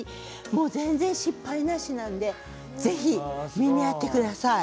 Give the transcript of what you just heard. もう全然失敗なしなのでぜひやってみてください。